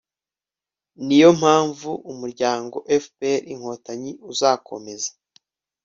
niyo mpamvu umuryango fprinkotanyi uzakomeza